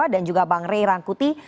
dan juga bang rey rangkuti